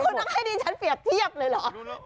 นี่คุณนักให้ดีชั้นเปรียบเทียบเลยเหรอ